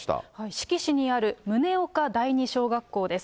志木市にある宗岡第二小学校です。